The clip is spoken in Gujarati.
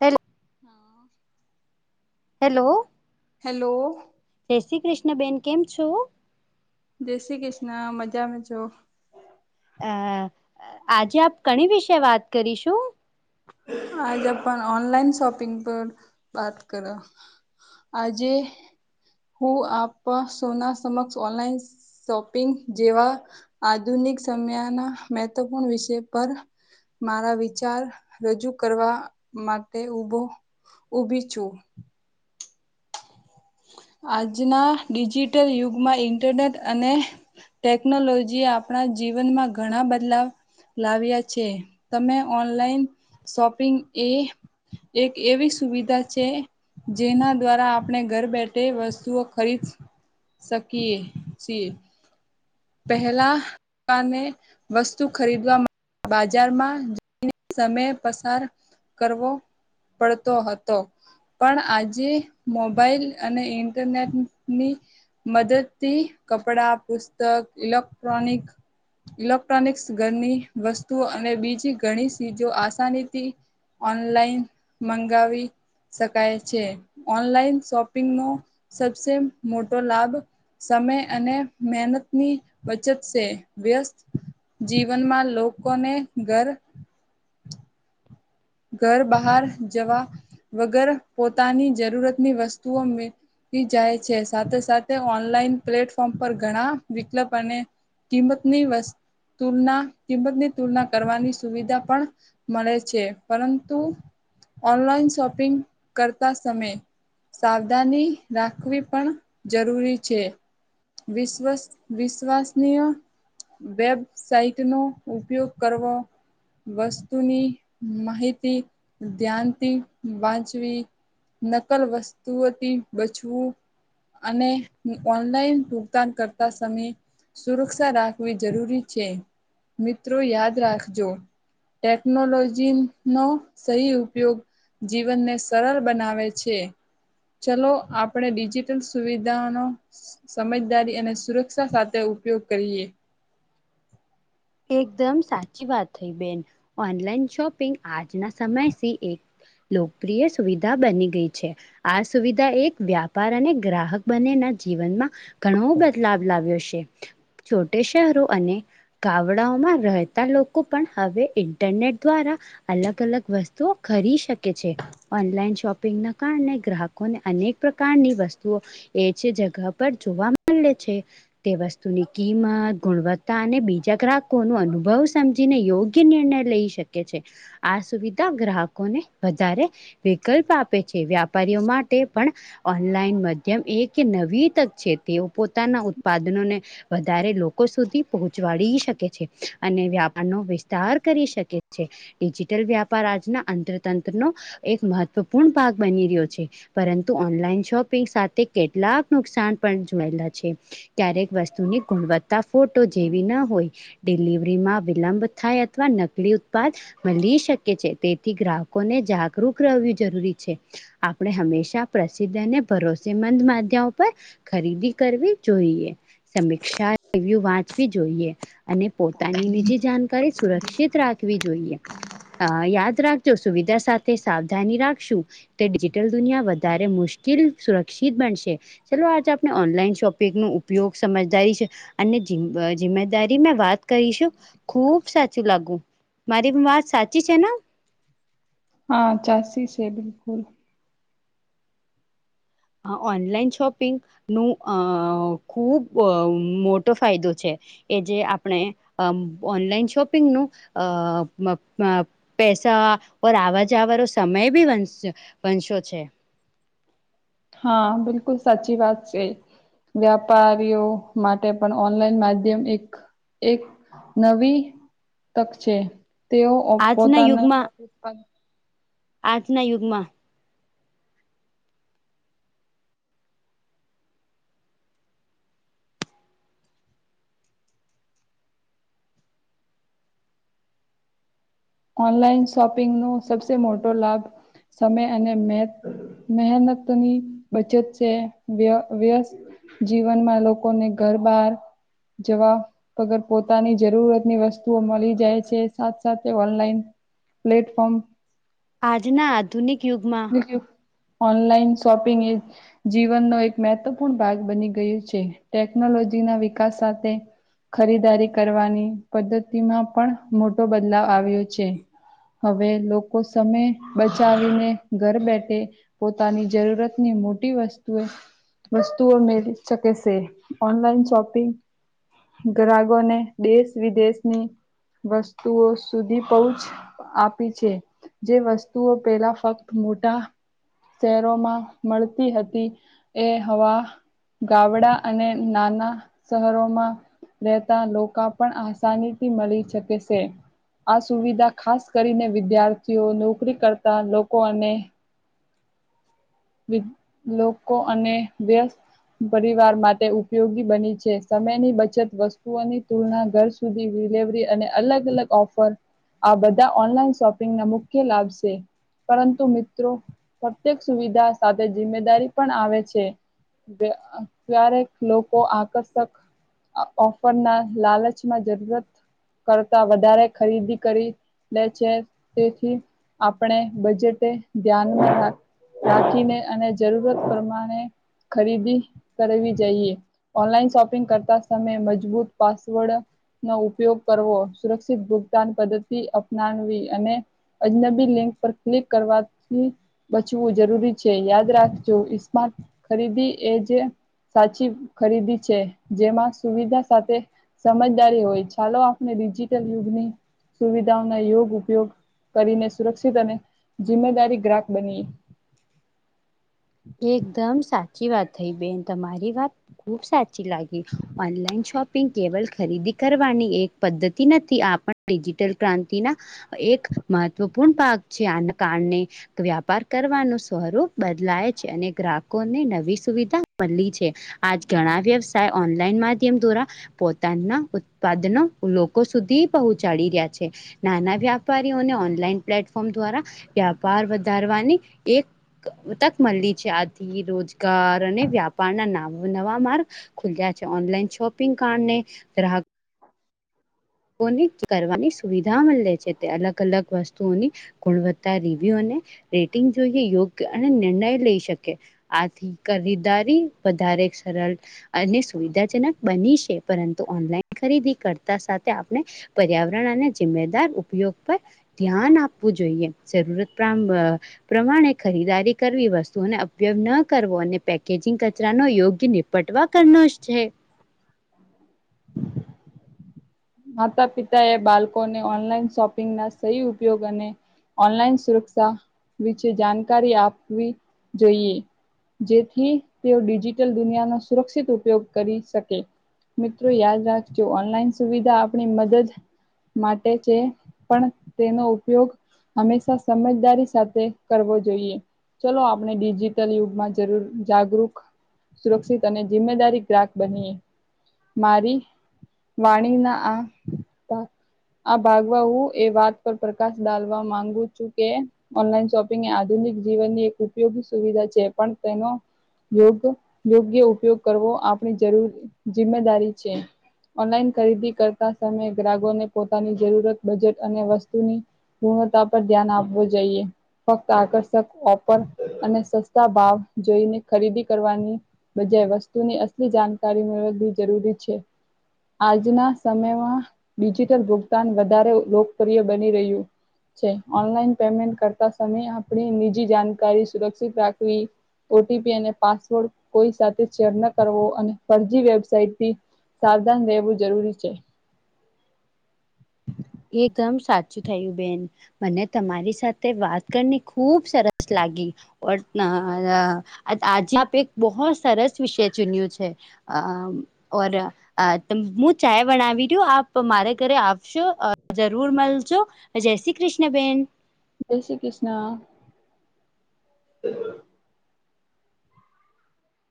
હેલો હા. હેલો હેલો જય શ્રી કૃષ્ણબેન કેમ છો જય શ્રી કૃષ્ણ મજા મેજો અ આજે કણી વિશે કરીશું આજ આપણ ઓનલાઈન શોપિંગ પર વાત કર આજે હું આપ સોના સમક્ષ ઓનલાઈન શોપિંગ જેવા આધુનિક સમયના મહત્વપૂર્ણ વિષય પર મારા વિચાર રજૂ કરવા માટે ઉભો ઊભી છું. આજના ડિજિટલ યુગમાં ઇન્ટરનેટ અને ટેકનોલોજી એ આપણા જીવનમાં ઘણા બદલાવ લાવ્યા છે તમે ઓનલાઈન શોપિંગ એ એક એવી સુવિધા છે. જેના દ્વારા આપણે ઘર બેઠ તે વસ્તુઓ ખરીદ શકીએ છીએ. પહેલા કાને વસ્તુ ખરીદવા માટે બાજારમાંને જઈને સમય પસાર કરવો પડતો હતો. પણ આજે મોબાઈલ અને ઇન્ટરનેટની મદદથી કપડા પુસ્તક ઇલેક્ટ્રોનિક ઇલેક્ટ્રોનિકસ ઘરની વસ્તુઓ અને બીજી ઘણી ચીજો આસાનીથી ઓનલાઈન મંગાવી શકાય છે. ઓનલાઈન શોપિંગનો સબસે મોટો લાભ સમય અને મહેનત ની બચત શે. વ્યસ્ત જીવનમાં લોકોને ઘર ઘર બહાર જવા વગર પોતાની જરૂરતની વસ્તુઓ મે ળી જાય છે. સાથે સાથે ઓનલાઈન પ્લેટફોર્મ પર ઘણા વિકલપ અને કિંમત નહી વસ તુલના કિંમતની તુલના કરવાની સુવિધા પણ મળે છે. પરંતુ ઓનલાઈન શોપિંગ કરતા સમયે સાવધાની રાખવી પણ જરૂરી છે. વિશ્વસ વિશ્વાસનીય વેબ સાઇટનો ઉપયોગ કરવો વસ્તુની માહિતી ધ્યાનથી વાંચવી નકલ વસ્તુઓથી બચવું અને ઓનલાઈન ભુગતાન કરતા સમય સુરક્ષા રાખવી જરૂરી છે. મિત્રો યાદ રાખજો ટેક્નોલોજી નો સહી ઉપયોગ જીવનને સરળ બનાવે છે. ચલો આપડે ડિજિટલ સુવિધાનો સમજદારી અને સુરક્ષા સાથે ઉપયોગ કરીએ. એકદમ સાચી વાત થઈ બેન ઓનલાઈન શોપિંગ આજના સમયસી એક લોકપ્રિય સુવિધા બની ગઇ છે. આ સુવિધા એક વ્યાપાર અને ગ્રાહક બંનેના જીવનમાં ઘણો બદલાવ લાવ્યો છે. છોટે શહેરો અને ગામડાઓમાં રહેતા લોકો પણ હવે ઇન્ટરનેટ દ્વારા અલગ અલગ વસ્તુઓ ખરી શકે છે. ઓનલાઈન શોપિંગના કારણે ગ્રાહક લોકોને અનેક પ્રકારની વસ્તુઓ એ જ જગા પર જોવા મળે છે. તે વસ્તુની કિંમત ગુણવત્તા અને બી [unintelligible] અનુભવ સમજીને યોગ્ય નિર્ણય લઈ શકે છે આ સુવિધા ગ્રાહકોને વધારે વિકલ્પ આપે છે. વ્યાપારીઓ માટે પણ ઓનલાઈન માધ્યમ એ કે નવી તક છે. તેઓ પોતાના ઉત્પાદનોને વધારે લોકો સુધી પહોંચવાડ કરી શકે છે. અને વ્યાપાર નો વિસ્તાર કરી શકે છે. ડિજિટલ વ્યાપાર આજના અંતર તંત્રનો એક મહત્વપૂર્ણ ભાગ બની રહ્યો છે. પરંતુ ઓનલાઈન શોપિંગ સાથે કેટલાક નુકસાન પણ જોયેલા છે. ક્યારેક વસ્તુની ગુણવત્તા ફોટો જેવી ના હોય ડિલિવરીમાં વિલંબ થાય અથવા નકલી ઉત્પાદ મલી શકે છે તેથી ગ્રાહકોને જાગૃત રહેવી જરૂરી છે. આપણે હંમેશા પ્રસિદ્ધ અને ભરોસેમંદ માધ્યમ પર ખરીદી કરવી જોઈએ સમીક્ષા [unintelligible] વાંચવી જોઈએ અને પોતાની જાણકારી સુરક્ષિત રાખવી જોઈએ યાદ રાખજો સુવિધા સાથે સાવધાની રાખશું તે ડિજિટલ દુનિયા વધારે મુશ્કેલ સુરક્ષિત બનશે ચલો આજે આપણે ઓનલાઇન શોપિંગ ન ઉપયોગ સમજદારી અને જી દારી મેં વાત કરીશું ખુબ સાચું લાગુ મારી વાત સાચી છે ને હા ચાશી છે બિલકુલ આ ઓનલાઈન શોપિંગ નું અ ખૂબ મોટો ફાયદો છે. એટલે આપણે ઓનલાઈન શોપિંગનું અ પેસા ઓર આવવા જવારો સમય બી બચ્યું છે. હા બિલકુલ સાચી વાત છે. વ્યાપારીઓ માટે પણ ઓનલાઈન માધ્યમ એક એક નવી તક છે. તેઓ અ આજના પોતાના યુગમાં ઉત્પાદ આજના યુગમાં ઓનલાઈન શોપિંગનું સબસે મોટો લાભ સમય અને મે મહેનતની બચત છે વ્ય વ્યસ્ત જીવનમાં લોકોને ઘર બાર જવા પગર પોતાની જરૂરતની વસ્તુઓ મલી જાય સાથ સાથ ઓનલાઈન પ્લેટફોર્મ આજના આધુનિક યુગમાં ઓનલાઈન શોપિંગ એ જીવનનો એક મહત્વપૂર્ણ ભાગ બની ગયું છે ટેકનોલોજી ના વિકાસ સાથે ખરીદારી કરવાની પદ્ધતિમાં પણ મોટો બદલાવ આવ્યો છે. હવે લોકો સમય બચાવીને ઘર બેઠે પોતાની જરૂરતની મોટી વસ્તુએ વસ્તુઓ મેળવી શકે છે ઓનલાઈન શોપિંગ ગ્રાહકોને દેશ વિદેશની વસ્તુઓ સુધી પહોચ આપી છે જે વસ્તુઓ પેલા ફક્ત મોટા શહેરોમાં મળતી હતી એ હવા ગાવડા અને નાના શહરોમાં ને તા લોકા પણ આસાનીથી મલી શકે છે. આ સુવિધા ખાસ કરીને વિદ્યાર્થીઓ નોકરી કરતા લોકો અને વિ લોકો અને વ્યસ્ત પરિવાર માટે ઉપયોગી બની છે. સમયની બચત વસ્તુઓની તુલના, ઘર સુધી વિલેવરી અને અલગ અલગ ઓફર આ બધા ઓનલાઈન શોપિંગ ના મુખ્ય લાભ સે પરંતુ મિત્રો પ્રત્યેક સુવિધા સાથે જિમ્મેદારી પણ આવે છે. વ્યા ક્યારેક લોકો આકર્ષક આ ઓફર ના લાલચમાં જરૂરત કરતા વધારે ખરીદી કરી લે છે તેથી આપણે બજેટે ધ્યાનમાં રાખ રાખીને અને જરૂરત પ્રમાણે ખરીદી કરવી જઈએ ઓનલાઈન શોપિંગ કરતા સમેય મજબૂત પાસવર્ડ નો ઉપયોગ કરવો, સુરક્ષિત ભુગતાન પદ્ધતિ અપનાવવી અને અજનબી લિંક પર ક્લિક કરવા થી બચવું જરૂરી છે. યાદ રાખજો ઈસ્માત ખરીદી એ જે સાચી ખરીદી છે જેમાં સુવિધા સાથે સમજદારી હોય ચાલો, આપને ડિજિટલ યુગને સુવિધાઓના યોગ ઉપયોગ કરીને, સુરક્ષિત અને જિમ્મેદારી ગ્રાહક બનીએ. એકદમ સાચી વાત થઈ બેન તમારી વાત ખુબ સાચી લાગી ઓનલાઈન શોપિંગ કેવલ ખરીદી કરવાની એક પદ્ધતિ નથી. આ પણ ડિજિટલ ક્રાંતિના એક મહત્વપૂર્ણ ભાગ છે આન કારણે વ્યાપાર કરવાનું સ્વરૂપ બદલાય છે અને ગ્રાહકોને નવી સુવિધા મલી છે. આજ ઘણા વ્યવસાય ઓનલાઈન માધ્યમ દોરા પોતાના ઉત્પાદનો લોકો સુધી પૌહચાડી રહ્યા છે નાના વ્યાપારીઓને ઓનલાઈન પ્લેટફોર્મ દ્વારા વેપાર વધારવાની એક તક મલી છે. આથી રોજગાર અને વ્યાપારના નામો નવા માર્ગ ખુલ્યા છે. ઓનલાઈન શોપિંગ કારને ગ્રાહક કોની કરવાની સુવિધા મલે છે. તે અલગ અલગ વસ્તુઓની ગુણવત્તા રિવ્યુ અને રેટિંગ જોઈએ યોગ્ય અને નિર્ણય લઈ શકે આથી કરીદારી વધારે સરળ અને સુવિધાજનક બની છે, પરંતુ ઓનલાઈન ખરીદી કરતાં સા તે આપણે પર્યાવરણ અને જિમ્મેદાર ઉપયોગ પર ધ્યાન આપવું જોઈએ જરૂરત પ્રાણબ પ્રમાણે ખરીદારી કરવી વસ્તુંઓને ઉપયોગ ન કરવો અને પેકેજિંગ કચરાનો યોગ્ય નીપટવા કનો ષ્ઠએ [inaudible] માતા પિતાએ બાલકોને ઓનલાઈન શોપિંગના સહી ઉપયોગ અને ઓનલાઈન સુરક્ષા વિચે જાણકારી આપવી જોઈએ જેથી તેઓ ડિજિટલ દુનિયાનો સુરક્ષિત ઉપયોગ કરી શકે મિત્રો યાદ રાખજો. ઓનલાઈન સુવિધા આપણી મદદ માટે છે પણ તેનો ઉપયોગ હંમેશા સમજદારી સાથે કરવો જોઈએ. ચલો, આપણે ડિજિટલ યુગમાં જરૂર જાગૃક સુરક્ષિત અને જિમ્મેદારી ગ્રાહક બનીએ, મારી વાણીના આ તો... આ ભાગવા હું એ વાત પર પ્રકાશ ડાલવા માંગુ છું કે, ઓનલાઈન શોપિંગની આધુનિક જીવનની એક ઉપયોગી સુવિધા છે, પણ તેમાં યોગ યોગ્ય ઉપયોગ કરવો આપણી જરૂરી જિમ્દારી છે. ઓનલાન ખરીદી કરતા સમયે ગ્રાહકોને પોતાની જરૂરત બજેટ અને વસ્તુની પૂર્ણતા પર ધ્યાન આપવું જોઈએ. ફક્ત આકર્ષક ઓફર અને સસ્તા ભાવ જોઈને ખરીદી કરવાની બીજા વસ્તુની અસલી જાણકારી મેળવવી જરૂરી છે, આજના સમયમાં ડિજિટલ ભુગતાન વધારે લોકપ્રિય બની રહ્યું છે, ઓનલાઈન પેમેન્ટ કરતા સમય આપણે બીજી જાણકારી સુરક્ષિત રાખવી, ઓ ટી પી અને પાસવર્ડ કોઈ સાથે શેર ન કરવો અને ફરજી વેબસાઇટથી સાવધાન રહેેવું જરૂરી છે. એકદમ સાચું થયું બેન. મને તમારી સાથે વાત કરીને ખૂબ સરસ લાગી. ઓ [unintelligible] આજે આપે એક બહુ સરસ વિષય ચુન્યું છે. આમ ઓર આ તમ હું ચાય બનાવી રહું, આપ મારે ઘરે આવશો. જરૂર મલજો જય શ્રી કૃષ્ણ બેન. જય શ્રી કૃષ્ણ.